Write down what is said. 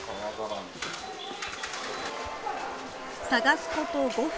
捜すこと５分。